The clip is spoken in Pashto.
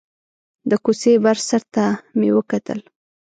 د کوڅې بر سر ته مې وکتل.